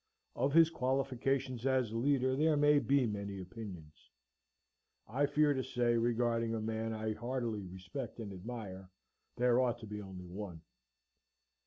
Of his qualifications as a leader there may be many opinions: I fear to say, regarding a man I heartily respect and admire, there ought only to be one.